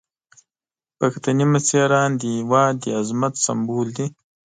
پښتني مشران د هیواد د عظمت سمبول دي.